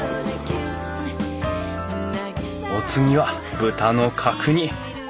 お次は豚の角煮。